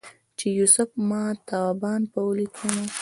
چې یوسف ماه تابان په ولیکمه